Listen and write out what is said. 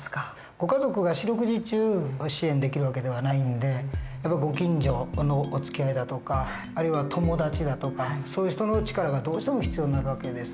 ご家族が四六時中支援できる訳ではないんでご近所のおつきあいだとかあるいは友達だとかそういう人の力がどうしても必要になる訳です。